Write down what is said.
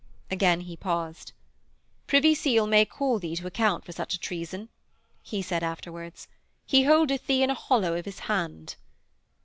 Again he paused. 'Privy Seal may call thee to account for such a treason,' he said afterwards. 'He holdeth thee in a hollow of his hand.'